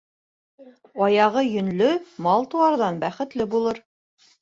Аяғы йөнлө мал-тыуарҙан бәхетле булыр.